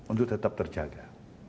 untuk tetap terjaga